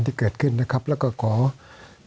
สวัสดีครับทุกคน